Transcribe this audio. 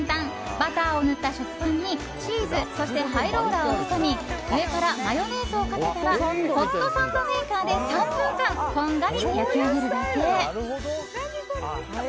バターを塗った食パンにチーズそしてハイローラーを挟み上からマヨネーズをかけたらホットサンドメーカーで３分間こんがり焼き上げるだけ。